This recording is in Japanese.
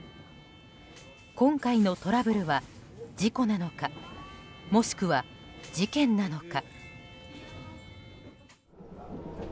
今回のトラブルは事故なのかもしくは事件なのか。